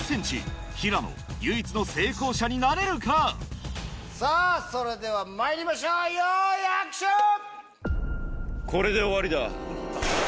平野唯一の成功者になれるか⁉さぁそれではまいりましょうよいアクション！